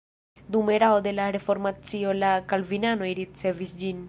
Dum erao de la reformacio la kalvinanoj ricevis ĝin.